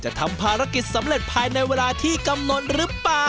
ทำภารกิจสำเร็จภายในเวลาที่กำหนดหรือเปล่า